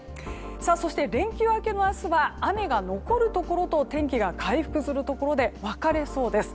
そして、連休明けの明日は雨が残るところと天気が回復するところで分かれそうです。